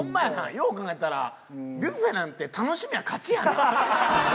よう考えたらビュッフェなんて楽しみゃ勝ちやな。